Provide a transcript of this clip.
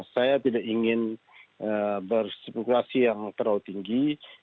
saya tidak ingin berspekulasi yang terlalu tinggi